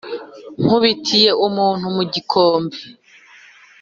nkubitiye umuntu mu gikombe,